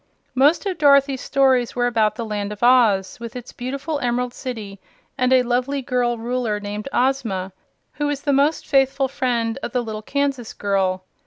Most of Dorothy's stories were about the Land of Oz, with its beautiful Emerald City and a lovely girl Ruler named Ozma, who was the most faithful friend of the little Kansas girl.